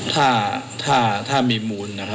แต่เจ้าตัวก็ไม่ได้รับในส่วนนั้นหรอกนะครับ